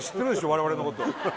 我々のこと